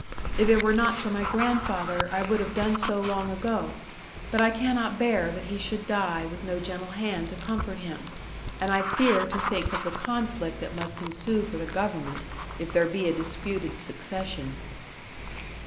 If it were not for my grandfather, I would have done so long ago; but I cannot bear that he should die with no gentle hand to comfort him; and I fear to think of the conflict that must ensue for the government, if there be a disputed succession.